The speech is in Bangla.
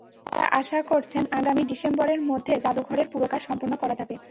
তাঁরা আশা করছেন, আগামী ডিসেম্বরের মধ্যে জাদুঘরের পুরো কাজ সম্পন্ন করা যাবে।